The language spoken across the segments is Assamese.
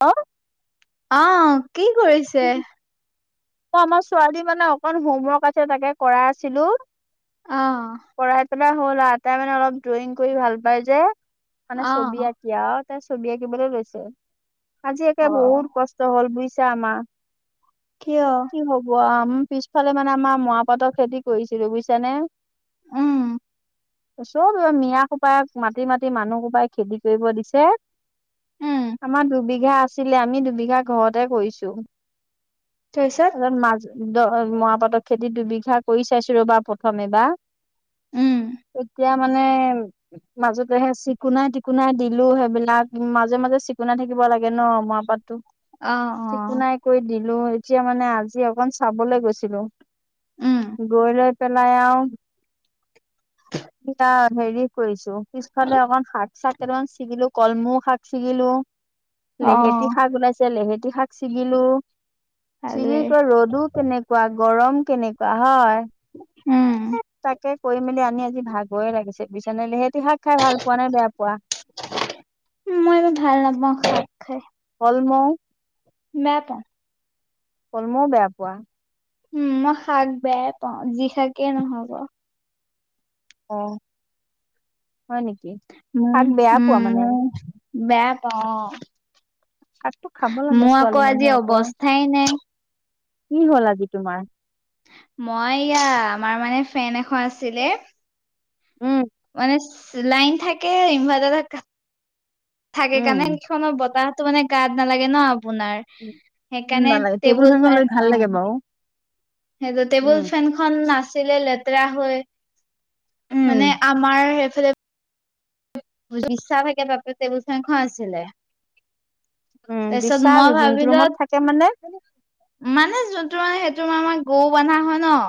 অ অহ কি কৰিছে? অ আমাৰ ছোৱালী মানে অকন হোমৱৰ্ক আছে তাকে কৰাই আছিলো। অ পঢ়াই পেলাই হ'ল আও তাই মানে অলপ ড্ৰয়িং কৰি ভাল পায় যে, মানে আহ ছবি আঁ এতিয়াও তাই ছবি আঁকিবলৈ লৈছে আজি একে অ বহুত কষ্ট হল বুজিছা আমা কিয়? কি হ'ব আৱ পিছফালে মানে আমা ময়া পাতৰ খেতি কৰিছিলো বুজিছানে উম চব এই মিয়া সোপাক মাতি মাতি মানুহসোপাই খেদি কৰিব দিছে। উম আমাৰ দুবিঘা আছিলে আমি দুবিঘা ঘৰতে কৰিছো। তাপিছত তাপাছত মা দ মৰা পাতৰ খেতি দুবিঘা কৰি চাইছো ৰ'বা প্ৰথম এবা উম এতিয়া মানে মাজতে সে চিকুনাই-টিকুনাই দিলো সেইবিলাক মাজে মাজে চিকুণাই থাকিব লাগে ন' ময়া পাতটো অ অ চিকুনাই কৰি দিলোঁ এতিয়া মানে আজি অকন চাবলৈ গৈছিলোঁ। উম গৈ লৈ পেলাই আৰৱ এতিয়া হেৰি কৰিছো পিছফালে অকমান শাক-চাক কেটামান ছিগিলো, কলমৌ শাক ছিগিলো। অ লেহেতি শাক গোনাইছে লেহেতি শাক ছিগিলো। ছিগি ভালেই কৰি ৰ'দো কেনেকুৱা, গৰম কেনেকুৱা হয়। উম তাকে কৰি মেলি আনি আজি ভাগৰে লাগিছে বিচনেলি লেহেতি শাক খাই ভাল পোৱা নে বেয়া পোৱা? মই এইবোৰ ভাল নাপাওঁ শাপ খাই। কলম নাই পোৱা। কলমও বেয়া পোৱা? উম, মই শাক বেয়াই পাওঁ যি শাকেই নহক আও অ', হয় নেকি উম শাক বেয়া পোৱা উম মানে? মই বেয়া পাওঁ অ শাকটো খাব লাগে মোৰ ছোৱালী আকৌ মানুহ আজি আকৌ অৱস্থাই নাই। কি হ'ল আজি তোমাৰ? মই ইয়া আমাৰ মানে ফেন এখন আছিলে উম মানে চিলাইন থাকে ইনভাৰ্টা পা কা থাকে কাৰণে উম সেইখন বতাহতো মানে গাত নালাগে ন' আপোনাৰ। উম সেইকাণে নালাগে টেবুল লৈ ফেন ভাল অ' লাগে বাৰু সেইটো টেবুল উম ফেনখন নাছিলে লেতেৰা হৈ উম মানে আমাৰ সেইফালে বিচা থাকে ন তাতে টেবুল ফেন খন আছিলে। উম, তাৰপিছত বিচাৰ মই যোনটো ভাবিলো ৰুমত থাকে মানে মানে যোনটো মানে সেইটো আমাৰ গৰু বন্ধা হয় ন'।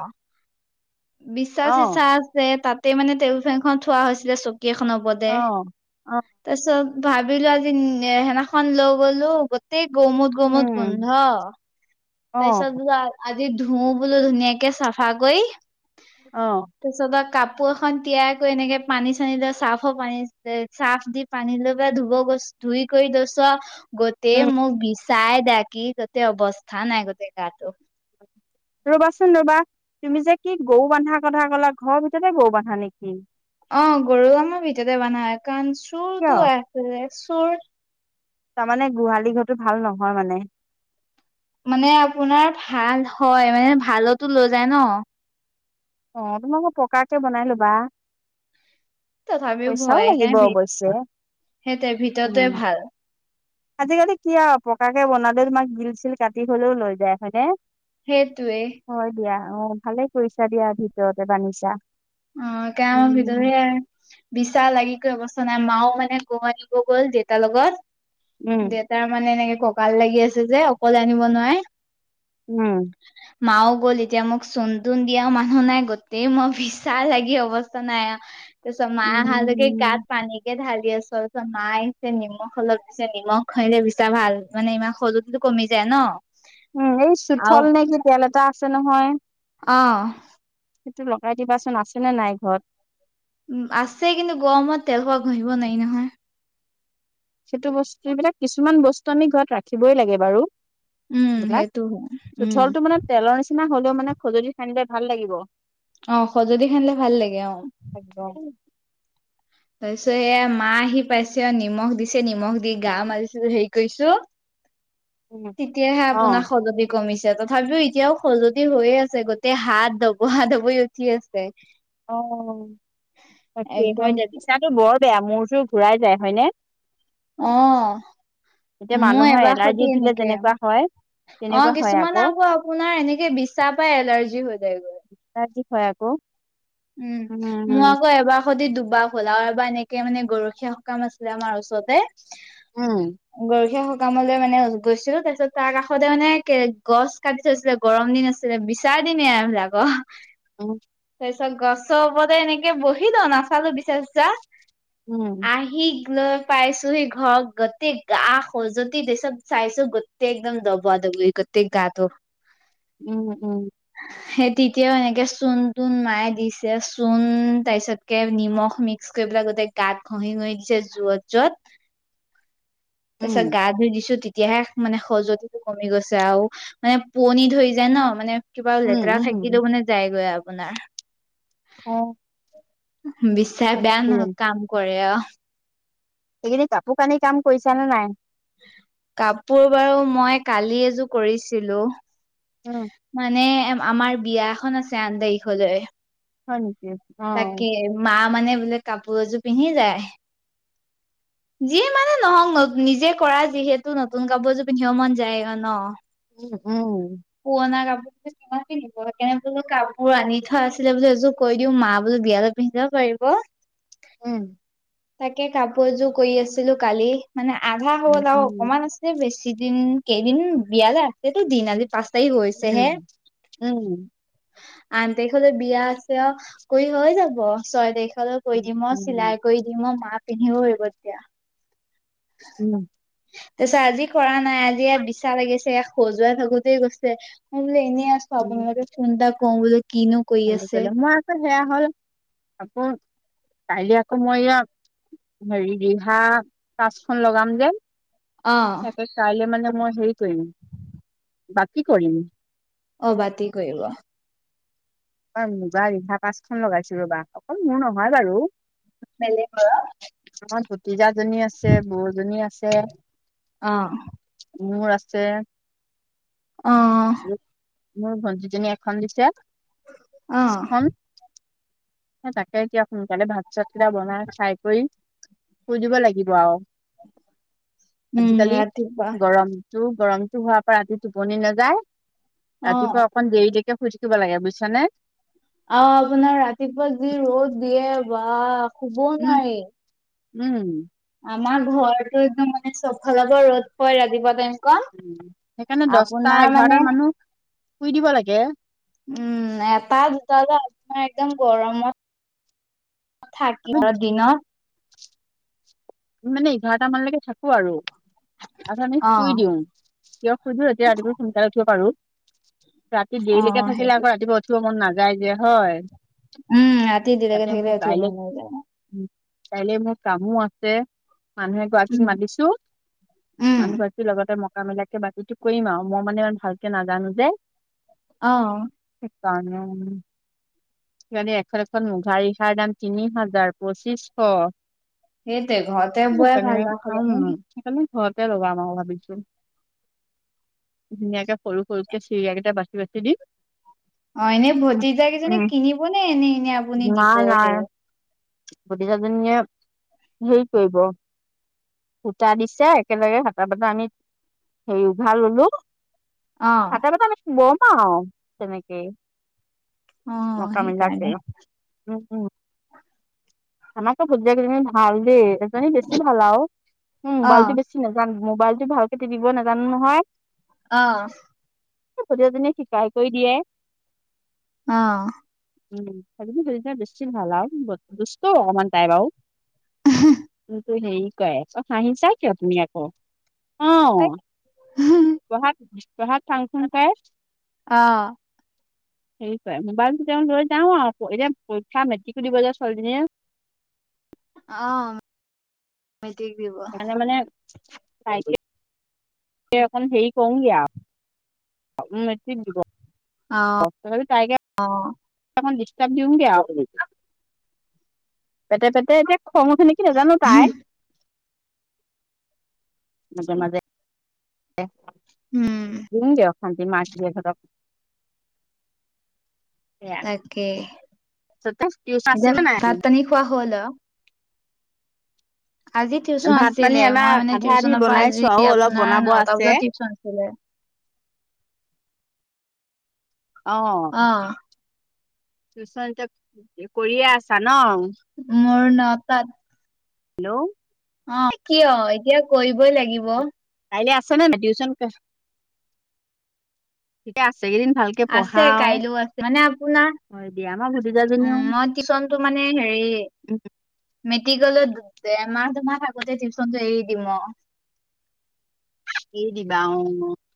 বিচা অ চিচা আছে তাতে মানে টেবুল ফেনখন থোৱা হৈছিলে চকী এখনৰ ওপৰতে। অ অ তাৰ পিছত ভাবিলো আজি সেনাখনন লৈ গলো গোতেই গৰুমুত উম গৰুমুত গোন্ধ। অ তাৰ পিছত বোলো আজি ধুও বোলো ধুনীয়াকে চাফা কৰি অহ। তাৰ পিছ পা কাপোৰ এখন তিয়াই কৰি এনেকে পানী চানী লৈ চাফৰ পানী চাফ দি পানী লৈ ধুব গছ ধুই কৰি গৈছোৱা গৈ এ উম মোক বিচাই দাকি গোটেই অৱস্থা নাই গোটেই গাটো। ৰ'বাচোন ৰ'বা তুমি যে কি গৰু বানধা কথা কলা ঘৰৰ ভিতৰতে গৰু বান্ধা নেকি? অ' গৰু আমাৰ ভিতৰতে বন্ধা হয় কাৰণ কিয় চোৰটো আছে চোৰ তাৰমানে গোহালি ঘৰটো ভাল নহয় মানে মানে আপোনাৰ ভাল হয় মানে ভালতো লৈ যায় ন অ 'তোমালোকে পকাকে বনাই লবা। তথাপিও পইচাই ভয় লাগিব সেইকাৰণে ভি অৱশ্যে, সেইটোৱে ভিতৰতে উম। ভাল আজিকালি কি আও পকাকে বনালেও তোমাক গীল চিল কাটি হ'লেও লৈ যায়, হয়নে? সেইেতোৱে হয় দিয়া অ' ভালে কৰিছা দিয়া ভিতৰতে বান্ধিছা অ কাৰণ উম ভিততে বিশচা লাগি গৈ অৱস্থা নাই মাও মানে কৌবাত শুব গ'ল দেউতাৰ উম লগত। তাৰ মানে এনেকে ককাল লাগি আছে যে অকলে আনিব নোৱাৰে। উম। মাও গ'ল এতিয়া মোক চোনতোন দিয়া মানুহ নাই গোতেই মই ফিছ চা লাগি অৱস্থা নাই তাৰপিচত মা অহালৈকে গাত উম পানী কে ঢালি আছোঁ মাই আহিছে নিমখ অলপ দিছে নিমখ খালে বিচা ভাল মানে ইমান খজটি সেইটো কমি যায় ন। উম এই আৰু চোঠল নে কি তেল এটা আছে নহয়। অ' সেইটো লগাই দিবাচোন আছে নে নাই ঘৰত। উম আছেই কিন্তু গৰমত তেলকুৱা ঘঁহিব নোৱাৰি নহয় সেইটো বস্তু এইবিলাক কিছুমান বস্তু আমি ঘৰত ৰাখিবই লাগে বাৰু উম বিলাক সেইটো হয় উম চোঠলটো মানে তেলৰ নিচিনা হলেও মানে খজুলি সানিলে ভাল লাগিব। অ' সজুটি সানিলে ভাল লাগে অ [unintelligible] তাৰ পিছত এয়া মা আহি পাইছে অ' নিমখ দিছে নিমখ দি গা মাৰিছে হেৰি কৰিছো উম তেতিয়াহে অ আপোনাৰ খজুতি কমিছে তথাপিও এতিয়াও খজুৱতি হৈয়ে আছে গোটেই হাত ধবহা ধবই উঠি আছে অ' তাকে একদম হয় দে বিছাটো বৰ বেয়া মূৰটো ঘূৰাই যায় হয়নে অ' এতিয়া মোৰ মানুহৰ এবাৰ এলাৰ্জি সতি উঠিলে এনেকে যেনেকুৱা হয় অ' তেনেকুৱা হয় কিছুমান আকৌ আপোনাৰ এনেকে বিছা পাই এলাৰ্জি হৈ যায় গৈ [unintelligible] উম মই আকৌ এবাৰ হৈতি দুবা হ'ল আৰু এবাৰ এনেকে মানে গৰখীয়া সকাম আছিলে আমাৰ ওচৰতে উম গৰখীয়া সকামলৈ মানে গৈছিলো তাৰ পিছত তাৰ কাষতে মানে গছ কাটি থৈছিলে গৰম দিন আছিলে বিচাৰ দিনয়ে হেই বিলাকৰ [unintelligible] তাৰপিছত গছৰ ওপতে এনেকে বহিলো নাচালো বিচা চিচা উম আহি লৈ পাইছোহি ঘৰ গোতেই গা খজতি এই চব চাইছো গোটেই একদম দবোৱা দবই তে গাতো উম উম সেই তেতিয়াও এনেকে চুন তুণ মায়ে দিছে চোণ তাৰপিচত একে নিমখ মিক্স কৰি পেলাই গোটেই গাত ঘঁহি ঘৰি দিছে যত যত তাৰপাছত গা ধুই দিছো তিতে তেতিয়াহে মানে সজতিটো কমি গৈছে আৰু মানে পোৱনি ধৰি যায় ন মানে কিবা উম লেতেৰা উম উম থাকিলে মানে যায়গৈ আপোনাৰ অ বিশচাৰ বেয়া সঁচাকে ন কাম কৰে অ সেইখিনি কাপোৰ কানি কাম কৰিছা নে নাই কাপোৰ বাৰু মই কালি এযোৰ কৰিছিলো উম মানে আমাৰ বিয়া এখন আছে আন তাৰিখলৈ হয় নেকি অ তাকে মা মানে বোলে কাপোৰ এযোৰ পিন্ধি যায় যিয়ে মানে নহওক নিজে কৰা যিহেতু নতুন কাপোৰ যোৰ পিন্ধিব মন যায় ন উম উম পুৰণা কাপোৰ কিমান পিন্ধিব কেনে বোলো কাপোৰ আনি থোৱা আছিলে বোলি এইযোৰ কৈ দিও মা বোলো বিয়ালৈ পিন্ধিব পাৰিব উম তাকে কাপোৰ এযোৰ কৰি আছিলো কালি, মানে আধা উম হল আৰু অকনমান আছে। যে বেছি দিন কেইদিন, বিয়ালে আছে টো দিন আজি পাঁচ। তাই গৈছেহে। উম আঠ তাৰিখলৈ বিয়া আছে, কৰি হৈ যাব ছয় তাৰিখলৈ। কৈ দিম অঁ, চিলাই উম কৰি দিম অঁ মা পিন্ধিবও আহিব তেতিয়া। উম। তাৰ পিছত আজি কৰা নাই, আজি বিচা লাগিছে খজুৱাই থাকোতেই গৈছে। ম বোলো এনেই আছো, উম আপোনালে ফোন এটা কৰো বোলো কি নো, মই আকৌ সেয়া হ'ল, আকৌ কালি আকৌ মই ইয়া হেৰি ৰিহা পাচখন লগাম গে, অ তাকে কাইলে মানে মই হেৰি কৰিম বাকী কৰিম, অ বাতি কৰিব, ই মুগা ৰিহা পাঁচখন লগাইছো, ৰ'বা অকল মোৰ নহয় বাৰু [unintelligible] মোৰ ভতিজাজনি আছে, বৌজনী আছে। অ মোৰ আছে, আহ, মোৰ ভণ্টিজনী এখন দিছে অ এখন তাকে এতিয়া সোনকালে ভাত চাত কেইটা বনাই চাই কৰি শুই দিব লাগিব আৰু, উম আজিকালি ৰাতিপুৱা গৰম, টো গৰমটো হোৱাৰ পৰা ৰাতি টোপনি নাযায়। অ ৰাতিপুৱা অকন দেৰি দেৰি শুই থাকিব লাগে বুজিছা নে, অ আপোনাৰ ৰাতিপুৱা যি ৰ'দ দিয়ে ৱা শুবও উম নোৱাৰি, উম, আমাৰ ঘৰটো একদম মানে চব ফালৰ পৰা ৰ'দ পৰে ৰাতিপুৱা টাইম কন সেইকাৰণে দহটা আপোনাৰ মানে এঘাৰটাত মানুহ শুই দিব লাগে। উম এটা দুটা যে আপোনাৰ একদম গৰমত, আমি থাকিব দিনত। মানে এঘাৰটা মানলৈকে থাকো আৰু তাৰ পৰা আমি অ শুই দিওঁ। কিয় সুধো এতিয়া ৰাতিপুৱ সোনকালে উঠিব পাৰো, ৰাতি অ দেৰিলৈকে থাকিলে সেইটো আকৌ ৰাতিপুৱা উঠি উঠিব মন নাযায় যে হয়। উম ৰাতি দেৰিকে তাতে মোৰ থাকিলে উথিব মন নাযায়। কাইলৈ মোৰ কামো আছে। মানুহ গৰাকীক উম মাতিছো উম মানুহ এগৰাকি, লগতে মকা মিলাকে বাকীটো কৰিম আৰু মই মানে ইমান ভালকে নাজানো যে, অ। সেইকাৰণেও, সেইকাৰণে এখন এখন মুগা‌ ৰিহাৰ দাম তিনি হাজাৰ পঁচিছশ। সেইয়াতে ঘৰতে বোৱাই সেইকাৰণে ভাল উম [unintelligible] সেইকাৰণে ঘৰতে লগাম আৰু ভাবিছো। ধুনীয়াকে সৰু সৰুকে চিৰিয়াকেইটা বাচি বাচি দিম। অ এনেই ভতিজা কেইজনিক উম কিনিব নে এনেই এনে আপুনি নাই দিবহে নাই ভতিজা জনীয়ে, হেৰিত কৰিব। সূতা দিছে, একেলগে হাটা বাটা আনি হেৰি উঘাৰ ললো। অ হাটা বাটা আমি বম আৰু তেনেকেই। অ নকা মিলাইছে? সেইকাৰণে উম উম। আমাৰটো ভতিজা কেইজনী ভাল দেই, এজনী বেছি ভাল আউ, মো অ মবাইলটো বেছি ছি নেজানো, মোবাইলটো ভালকে তিপিব নেজানো নহয়। অ'হ। এ ভতিজা জনীয়ে শিকাই-কয়ি দিয়ে। অ' উম, [unintelligible] দুষ্ট অকণমান তাই বাৰু। উম তো হেৰী কৰে- ত হাহিচ কিয় তুমি আকৌ? অঁ, তাক পঢ়াত- পঢ়াত ফাংফুং পাই। অ'। হেৰি কৰে মোবাইলতো তেওঁ লৈ যাও আউ এতিয়া পৰীক্ষা মেট্ৰিকো দিব যে ছোৱালী জনীয়ে। অ্ মেট্ৰিক দিব সেইকাৰণে মানে- তাই এতিয়া তে অকণ হেৰি কৰোংগে আঔ। মেট্ৰিক দিব। অ হেৰি তাইকে অ অকনমান দিস্তাৰ্ভ দিওঁগে আও। পেটে-পেটে এতিয়া খং উঠে নেকি নাজানো তাইৰ। মাজে-মাজে - এ উম দিওঁগে অশান্তি মাক-জীয়েক হতক। সেয়া। তাকে [unintelligible] টিউশন আছিলে নাই আজি? তেনেকোৱা হ'ল আ আজি টিউশন ভাত পানী আছিলে, মই আমাৰ মানে আধা আধি টিউশচনৰ পৰা বনাইছো আজি আৰু অলপ আপোনাৰ বনাব নটা আছে বজাত টিউশচন আছিলে। অ' টিউশন এতিয়া কৰিয়ে আছা ন? মোৰ নটাত হেল্লো অ কিয়? এতিয়া কৰিবই লাগিব। কাইলৈ আছে নে নাই টিউশন? এতিয়া আছে কেদিন ভাল আছে কাইলো আছে- মানে আপোনাৰ হয় দিয়া আমাৰ ভতিজাজনীও উম মোৰ টিউশনটো মানে হেৰি মেট্ৰিকলে ডেৰমাহ দুমাহ থাকোতে টিউশনটো এৰি দিম অ'। এৰি দিবা অঁ।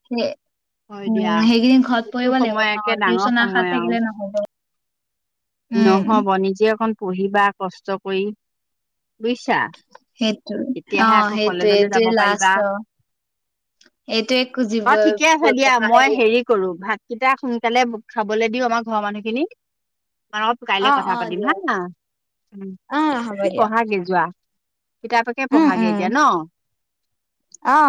সেই হয় দিয়া, উম, সেইকেইদিন ঘৰত এইটো পৰিব লাগিব সময় ন একে ডাঙৰ টিউচন আশাত সময় আউ। থাকিলে নহ'ব। উম, নহব নিজে অকণ পঢ়িবা কষ্ট কৰি, বুইছা? সেইটোৱে তেতিয়াহে অ', আকৌ সেইটোৱে কলেজলৈ যাব এইটোৱে পাৰিবা। লাষ্ট অ'। এইটোৱে খুজিব বা ঠিকে আছে দিয়া পঢ়া মই হেৰি কৰো, ভাতকেইটা সোনকালে খাবলে দিওঁ আমাৰ ঘৰৰ মানুহখিনিক। পা-অত কাইলে অ', কথা অ', পাতিম-হা? দিয়ক অ', হ'ব তুমি দিয়ক পঢ়াগে যোৱা। কিতাপকে উম, পঢ়াগে উম। এতিয়া ন? অ'